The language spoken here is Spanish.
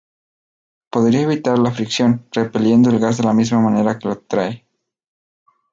Podría evitar la fricción, repeliendo el gas de la misma manera que lo atrae.